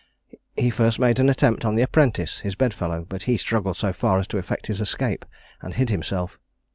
He first made an attempt on the apprentice, his bedfellow; but he struggled so far as to effect his escape, and hid himself.